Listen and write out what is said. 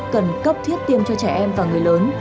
cần cấp thiết tiêm cho trẻ em và người lớn